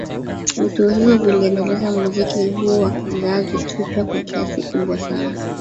Vituo hivyo viliendeleza muziki huu wa kizazi kipya kwa kasi kubwa sana